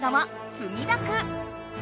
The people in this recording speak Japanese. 墨田区。